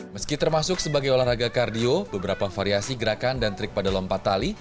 meski termasuk sebagai olahraga kardio beberapa variasi gerakan dan trik pada lompat tali